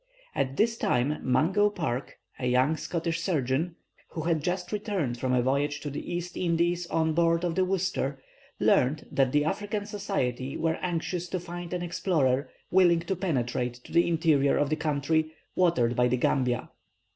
At this time Mungo Park, a young Scotch surgeon, who had just returned from a voyage to the East Indies on board the Worcester, learnt that the African Society were anxious to find an explorer willing to penetrate to the interior of the country watered by the Gambia.